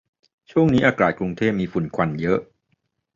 ช่วงนี้อากาศกรุงเทพมีฝุ่นควันเยอะ